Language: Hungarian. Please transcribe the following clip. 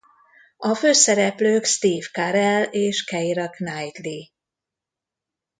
A főszereplők Steve Carell és Keira Knightley.